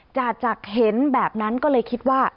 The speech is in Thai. จ่าจักรเห็นแบบนั้นก็เลยคิดว่า